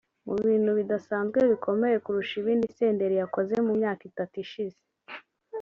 Mu bintu bidasanzwe bikomeye kurusha ibindi Senderi yakoze mu myaka itatu ishize